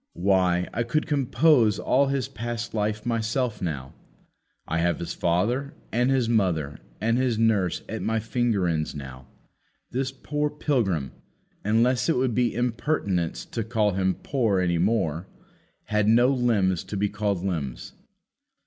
Why, I could compose all his past life myself now. I have his father and his mother and his nurse at my finger ends now. This poor pilgrim unless it would be impertinence to call him poor any more had no limbs to be called limbs.